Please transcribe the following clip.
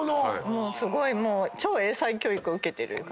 もうすごい超英才教育を受けてる感じ。